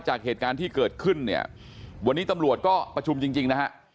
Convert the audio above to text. จากเหตุการณ์ที่เกิดขึ้นเนี่ยวันนี้ตำรวจก็ประชุมจริงจริงนะฮะ